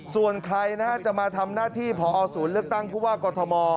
ส่วนใครจะมาทำหน้าที่พอศูนย์เลือกตั้งผู้ว่ากอทม